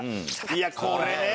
いやこれね。